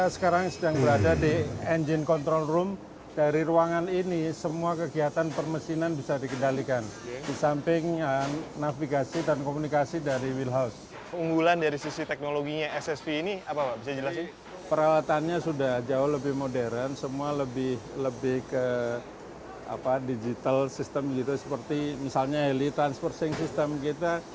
sistem gitu seperti misalnya heli transfer sink sistem kita